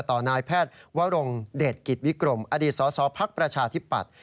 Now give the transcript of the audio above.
ต่อนายแพทย์วะรงเดชกิตวิกรมอดีตสอสอภักดิ์ประชาธิปัตย์